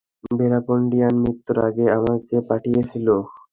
ভীরাপান্ডিয়ান মৃত্যুর আগে আমাকে পাঠিয়েছিল।